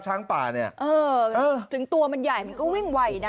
ช้างป่าเนี่ยเออถึงตัวมันใหญ่มันก็วิ่งไวนะ